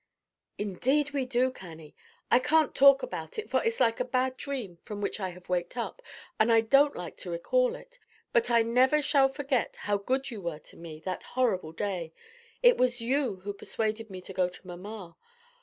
"Indeed, we do. Cannie, I can't talk about it, for it's like a bad dream from which I have waked up, and I don't like to recall it; but I never shall forget how good you were to me that horrible day. It was you who persuaded me to go to mamma.